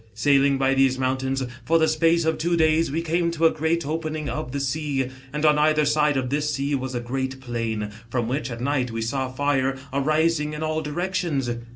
Sailing by these mountains, for the space of two days, we came to a great opening of thb sea, and on either side of this sea, was a great plain, from which, at night, we saw fire arising in all directions.